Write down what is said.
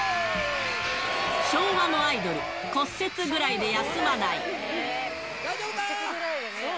昭和のアイドル、骨折ぐらい大丈夫か？